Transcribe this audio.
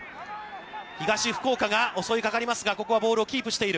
東福岡が襲いかかりますが、ここはボールをキープしている。